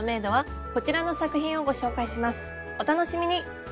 お楽しみに！